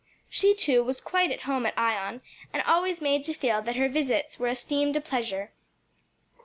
She too was quite at home at Ion and always made to feel that her visits were esteemed a pleasure.